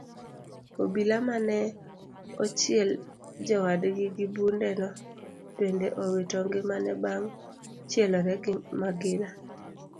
Obila mane ochiel jowadgi gi bundeno bende owito ngimane bang' chielore gi magina.